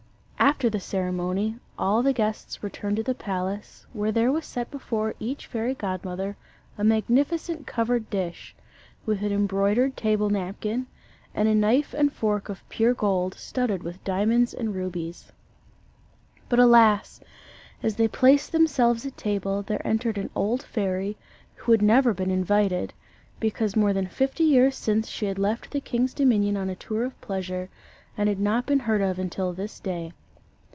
After the ceremony, all the guests returned to the palace, where there was set before each fairy godmother a magnificent covered dish, with an embroidered table napkin, and a knife and fork of pure gold, studded with diamonds and rubies. But alas! as they placed themselves at table, there entered an old fairy who had never been invited, because more than fifty years since she had left the king's dominion on a tour of pleasure, and had not been heard of until this day.